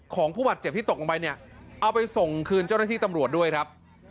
ของผู้บาดเจ็บที่ตกลงไปเนี่ยเอาไปส่งคืนเจ้าหน้าที่ตำรวจด้วยครับ